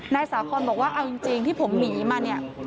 นายสาคอนบอกว่าเอาจริงที่ผมหนีมาเนี่ย